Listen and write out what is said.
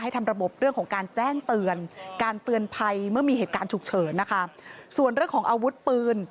เตือนภัยเมื่อมีเหตุการณ์ฉุกเฉินนะคะส่วนเรื่องของอาวุธปืน